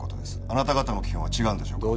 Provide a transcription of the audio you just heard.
あなた方の基本は違うんでしょうか？